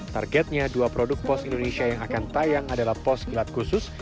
targetnya dua produk pos indonesia yang akan tayang adalah pos gelat khusus